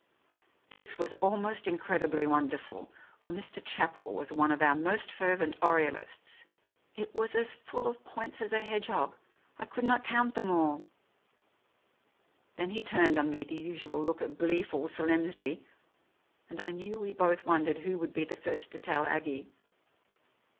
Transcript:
This was almost incredibly wonderful, for Mr. Chapel was one of our most fervent Oriolists. It was as full of points as a hedgehog; I could not count them all Then he turned on me the usual look of gleeful solemnity, and I knew we both wondered who would be the first to tell Aggie.